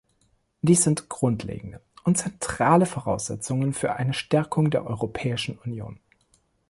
Dies sind grundlegende und zentrale Voraussetzungen für eine Stärkung der Europäischen Union.